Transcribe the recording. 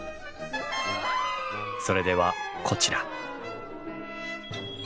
それではこちら。